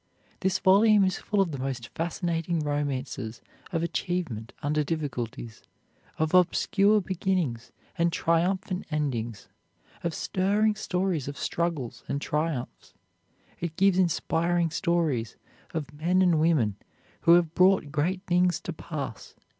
This volume is full of the most fascinating romances of achievement under difficulties, of obscure beginnings and triumphant endings, of stirring stories of struggles and triumphs. It gives inspiring stories of men and women who have brought great things to pass.